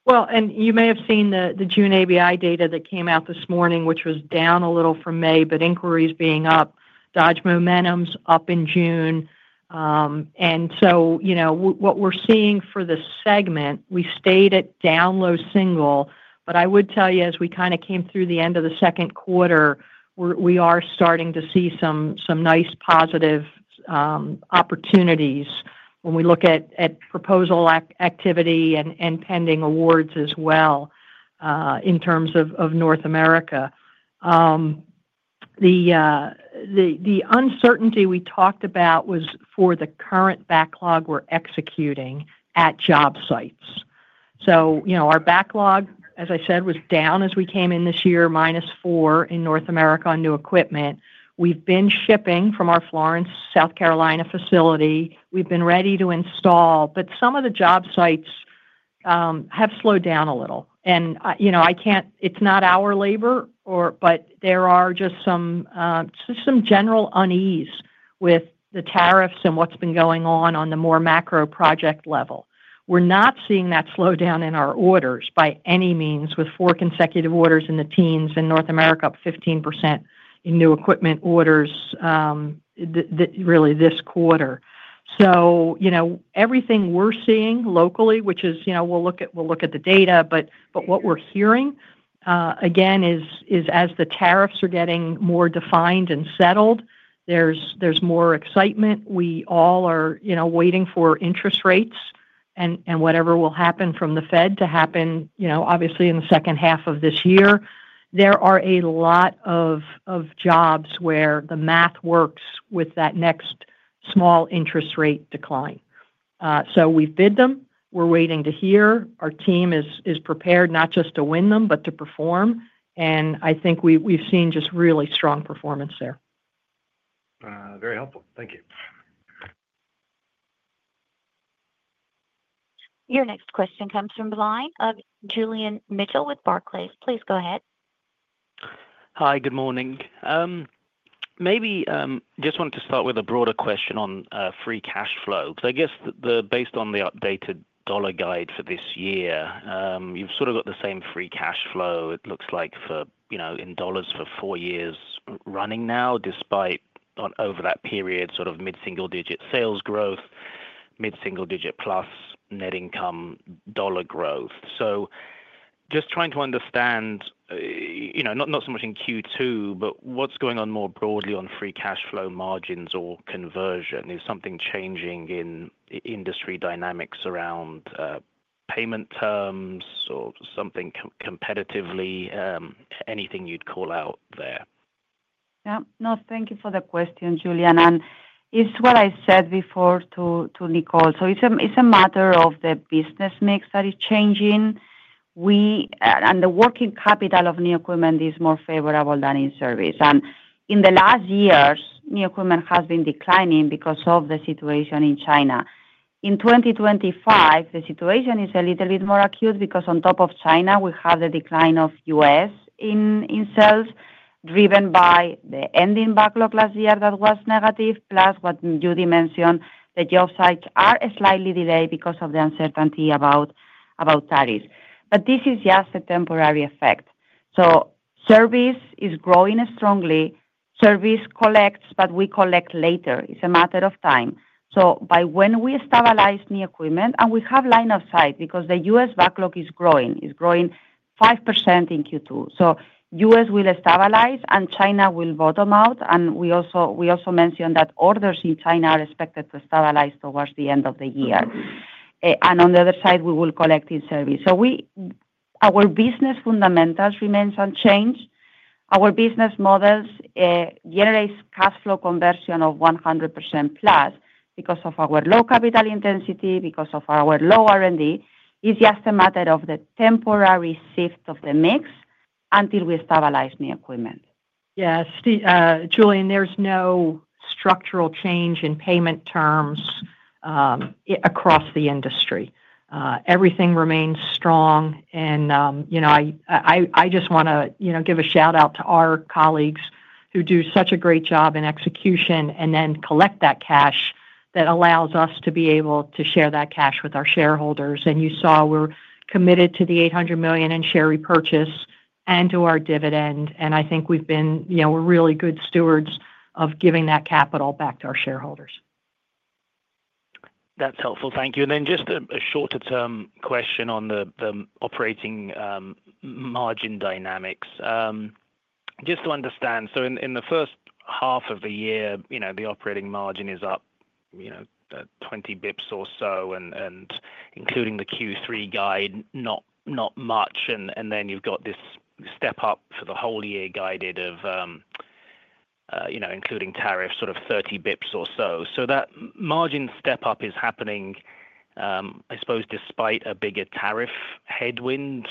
You may have seen the June ABI data that came out this morning, which was down a little for May, but inquiries being up, Dodge momentum is up in June. What we are seeing for the segment, we stayed at down low single, but I would tell you, as we kind of came through the end of the second quarter, we are starting to see some nice positive opportunities when we look at proposal activity and pending awards as well. In terms of North America, the uncertainty we talked about was for the current backlog we are executing at job sites. Our backlog, as I said, was down as we came in this year, minus 4 in North America on new equipment. We have been shipping from our Florence, South Carolina facility. We have been ready to install, but some of the job sites have slowed down a little. It is not our labor, but there is just some general unease with the tariffs and what has been going on on the more macro project level. We are not seeing that slowdown in our orders by any means with four consecutive orders in the teens in North America up 15% in new equipment orders this quarter. Everything we are seeing locally, we will look at the data, but what we are hearing, again, is as the tariffs are getting more defined and settled, there is more excitement. We all are waiting for interest rates and whatever will happen from the Fed to happen, obviously, in the second half of this year. There are a lot of jobs where the math works with that next small interest rate decline. We have bid them. We are waiting to hear. Our team is prepared not just to win them, but to perform. I think we have seen just really strong performance there. Very helpful. Thank you. Your next question comes from the line of Julian Mitchell with Barclays. Please go ahead. Hi. Good morning. Maybe just wanted to start with a broader question on free cash flow. I guess based on the updated dollar guide for this year, you've sort of got the same free cash flow, it looks like, in dollars for four years running now, despite over that period sort of mid-single digit sales growth, mid-single digit plus net income dollar growth. Just trying to understand. Not so much in Q2, but what's going on more broadly on free cash flow margins or conversion? Is something changing in industry dynamics around payment terms or something competitively? Anything you'd call out there? Yeah. No, thank you for the question, Julian. It is what I said before to Nicole. It is a matter of the business mix that is changing. The working capital of new equipment is more favorable than in service. In the last years, new equipment has been declining because of the situation in China. In 2025, the situation is a little bit more acute because on top of China, we have the decline of US in sales driven by the ending backlog last year that was negative, plus what Judy mentioned, the job sites are slightly delayed because of the uncertainty about tariffs. This is just a temporary effect. Service is growing strongly. Service collects, but we collect later. It is a matter of time. By when we stabilize new equipment, and we have line of sight because the US backlog is growing. It is growing 5% in Q2. US will stabilize, and China will bottom out. We also mentioned that orders in China are expected to stabilize towards the end of the year. On the other side, we will collect in service. Our business fundamentals remain unchanged. Our business models generate cash flow conversion of 100% plus because of our low capital intensity, because of our low R&D. It is just a matter of the temporary shift of the mix until we stabilize new equipment. Yeah. Julian, there's no structural change in payment terms across the industry. Everything remains strong. I just want to give a shout-out to our colleagues who do such a great job in execution and then collect that cash that allows us to be able to share that cash with our shareholders. You saw we're committed to the $800 million in share repurchase and to our dividend. I think we've been really good stewards of giving that capital back to our shareholders. That's helpful. Thank you. Then just a shorter-term question on the operating margin dynamics. Just to understand, in the first half of the year, the operating margin is up 20 basis points or so, and including the Q3 guide, not much. You have this step-up for the whole year guided of, including tariffs, sort of 30 basis points or so. That margin step-up is happening, I suppose, despite a bigger tariff headwind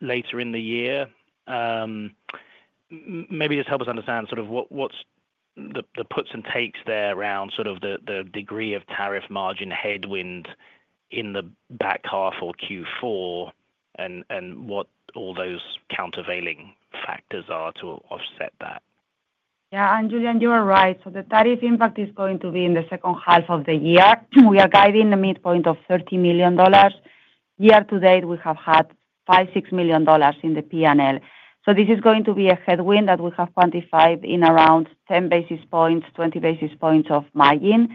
later in the year. Maybe just help us understand what's the puts and takes there around the degree of tariff margin headwind in the back half or Q4, and what all those countervailing factors are to offset that. Yeah. And Julian, you are right. The tariff impact is going to be in the second half of the year. We are guiding the midpoint of $30 million. Year to date, we have had $5-$6 million in the P&L. This is going to be a headwind that we have quantified in around 10 basis points, 20 basis points of margin.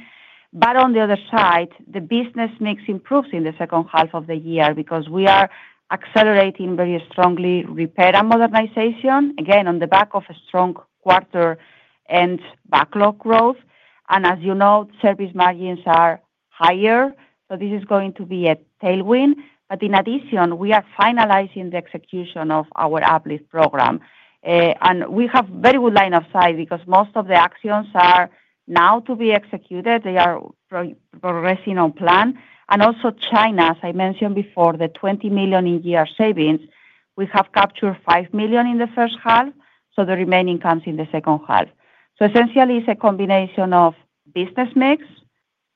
On the other side, the business mix improves in the second half of the year because we are accelerating very strongly repair and modernization, again, on the back of a strong quarter and backlog growth. As you know, service margins are higher. This is going to be a tailwind. In addition, we are finalizing the execution of our Uplift program. We have very good line of sight because most of the actions are now to be executed. They are progressing on plan. Also, China, as I mentioned before, the $20 million in year savings, we have captured $5 million in the first half. The remaining comes in the second half. Essentially, it is a combination of business mix,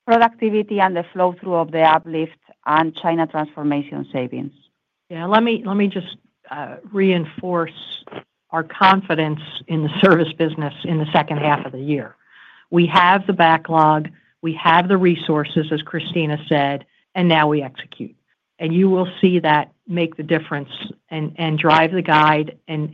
productivity, and the flow-through of the Uplift and China transformation savings. Yeah. Let me just reinforce our confidence in the service business in the second half of the year. We have the backlog. We have the resources, as Cristina said, and now we execute. You will see that make the difference and drive the guide and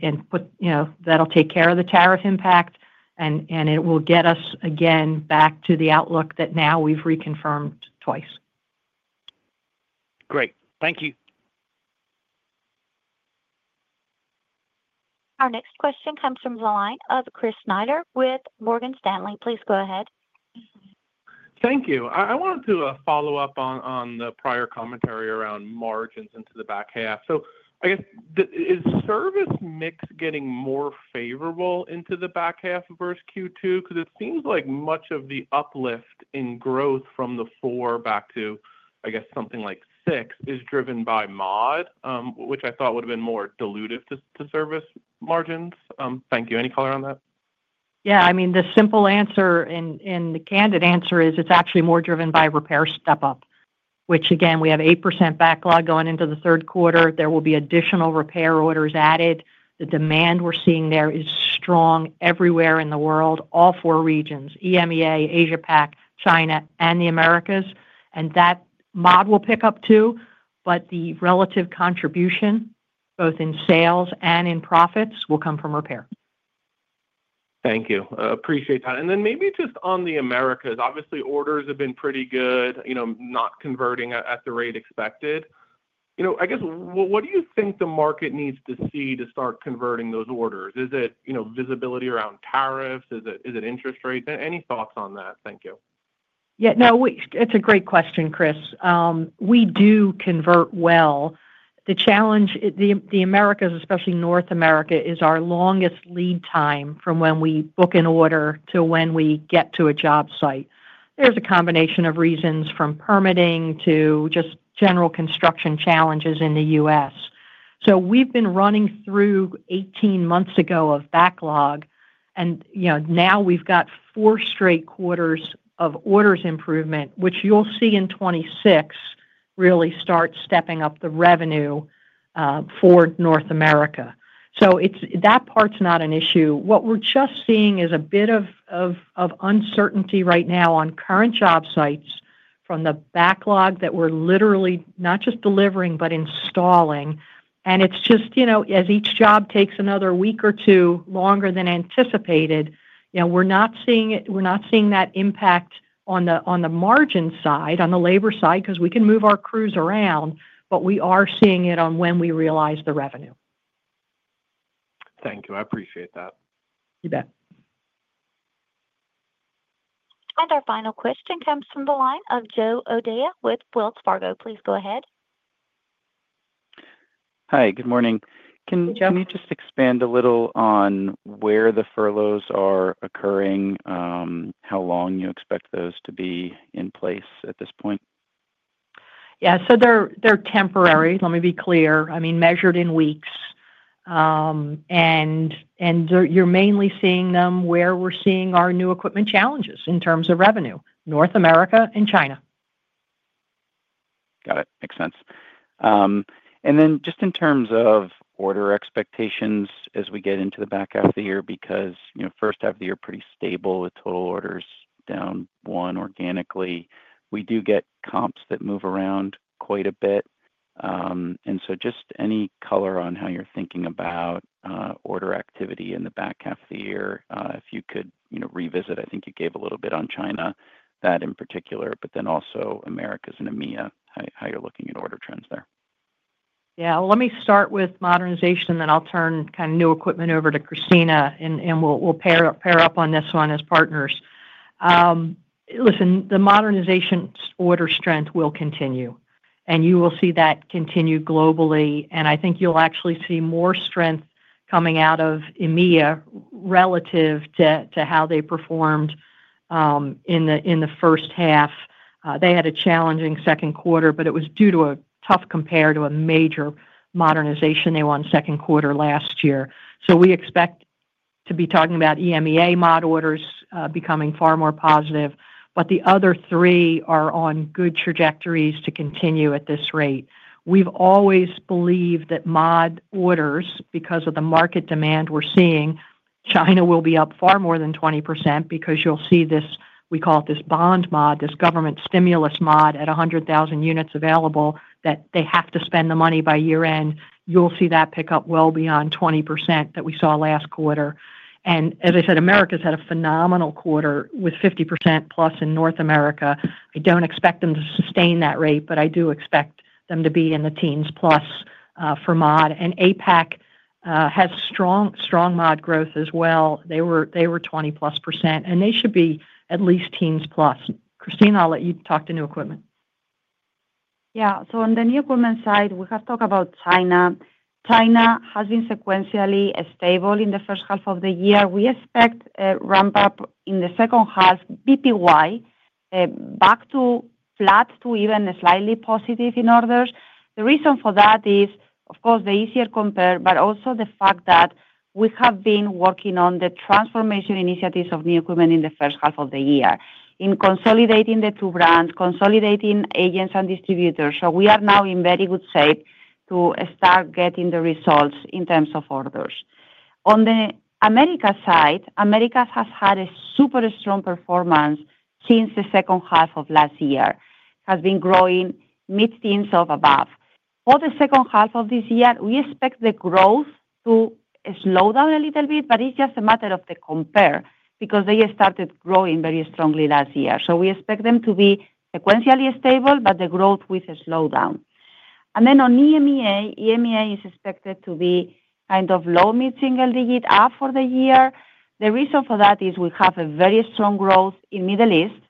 that'll take care of the tariff impact. It will get us, again, back to the outlook that now we've reconfirmed twice. Great. Thank you. Our next question comes from the line of Chris Snyder with Morgan Stanley. Please go ahead. Thank you. I wanted to follow up on the prior commentary around margins into the back half. I guess, is service mix getting more favorable into the back half versus Q2? It seems like much of the uplift in growth from the 4 back to, I guess, something like 6 is driven by mod, which I thought would have been more dilutive to service margins. Thank you. Any color on that? Yeah. I mean, the simple answer and the candid answer is it's actually more driven by repair step-up, which, again, we have 8% backlog going into the third quarter. There will be additional repair orders added. The demand we're seeing there is strong everywhere in the world, all four regions: EMEA, Asia-Pacific, China, and the Americas. That mod will pick up too, but the relative contribution, both in sales and in profits, will come from repair. Thank you. Appreciate that. Maybe just on the Americas, obviously, orders have been pretty good, not converting at the rate expected. I guess, what do you think the market needs to see to start converting those orders? Is it visibility around tariffs? Is it interest rates? Any thoughts on that? Thank you. Yeah. No, it's a great question, Chris. We do convert well. The challenge, the Americas, especially North America, is our longest lead time from when we book an order to when we get to a job site. There's a combination of reasons from permitting to just general construction challenges in the U.S. We have been running through 18 months ago of backlog. Now we have four straight quarters of orders improvement, which you will see in 2026 really start stepping up the revenue for North America. That part is not an issue. What we are just seeing is a bit of uncertainty right now on current job sites from the backlog that we are literally not just delivering, but installing. As each job takes another week or two longer than anticipated, we are not seeing that impact on the margin side, on the labor side, because we can move our crews around, but we are seeing it on when we realize the revenue. Thank you. I appreciate that. You bet. Our final question comes from the line of Joseph O'Dea with Wells Fargo. Please go ahead. Hi. Good morning. Can you just expand a little on where the furloughs are occurring, how long you expect those to be in place at this point? Yeah. They're temporary. Let me be clear. I mean, measured in weeks. And you're mainly seeing them where we're seeing our new equipment challenges in terms of revenue: North America and China. Got it. Makes sense. And then just in terms of order expectations as we get into the back half of the year, because first half of the year is pretty stable with total orders down one organically, we do get comps that move around quite a bit. And so just any color on how you're thinking about order activity in the back half of the year, if you could revisit, I think you gave a little bit on China, that in particular, but then also Americas and EMEA, how you're looking at order trends there. Yeah. Let me start with modernization, and then I'll turn kind of new equipment over to Cristina, and we'll pair up on this one as partners. Listen, the modernization order strength will continue. You will see that continue globally. I think you'll actually see more strength coming out of EMEA relative to how they performed in the first half. They had a challenging second quarter, but it was due to a tough compare to a major modernization they were on second quarter last year. We expect to be talking about EMEA mod orders becoming far more positive. The other three are on good trajectories to continue at this rate. We've always believed that mod orders, because of the market demand we're seeing, China will be up far more than 20% because you'll see this, we call it this bond mod, this government stimulus mod at 100,000 units available that they have to spend the money by year-end. You'll see that pick up well beyond 20% that we saw last quarter. As I said, Americas had a phenomenal quarter with 50% plus in North America. I don't expect them to sustain that rate, but I do expect them to be in the teens plus for mod. APAC has strong mod growth as well. They were 20-plus percent, and they should be at least teens plus. Cristina, I'll let you talk to new equipment. Yeah. On the new equipment side, we have talked about China. China has been sequentially stable in the first half of the year. We expect a ramp-up in the second half, back to flat to even slightly positive in orders. The reason for that is, of course, the easier compare, but also the fact that we have been working on the transformation initiatives of new equipment in the first half of the year in consolidating the two brands, consolidating agents and distributors. We are now in very good shape to start getting the results in terms of orders. On the Americas side, Americas has had a super strong performance since the second half of last year. It has been growing mid-teens or above. For the second half of this year, we expect the growth to slow down a little bit, but it is just a matter of the compare because they started growing very strongly last year. We expect them to be sequentially stable, but the growth with a slowdown. On EMEA, EMEA is expected to be kind of low mid-single digit up for the year. The reason for that is we have very strong growth in the Middle East.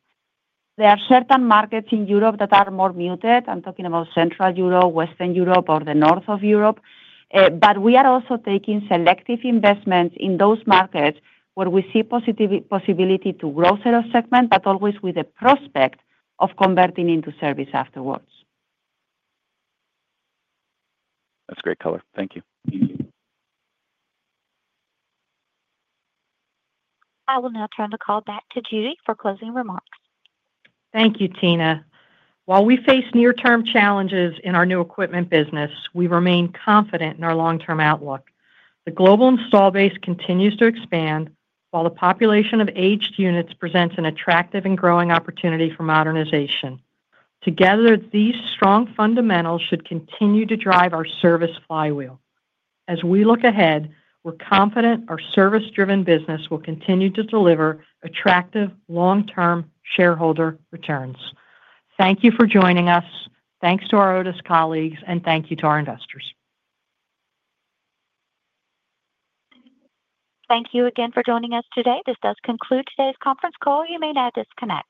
There are certain markets in Europe that are more muted. I am talking about Central Europe, Western Europe, or the north of Europe. We are also taking selective investments in those markets where we see possibility to grow sales segment, but always with a prospect of converting into service afterwards. That's great color. Thank you. I will now turn the call back to Judy for closing remarks. Thank you, Tina. While we face near-term challenges in our new equipment business, we remain confident in our long-term outlook. The global install base continues to expand while the population of aged units presents an attractive and growing opportunity for modernization. Together, these strong fundamentals should continue to drive our service flywheel. As we look ahead, we're confident our service-driven business will continue to deliver attractive long-term shareholder returns. Thank you for joining us. Thanks to our Otis colleagues, and thank you to our investors. Thank you again for joining us today. This does conclude today's conference call. You may now disconnect.